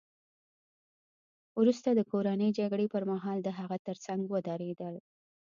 وروسته د کورنۍ جګړې پرمهال د هغه ترڅنګ ودرېدل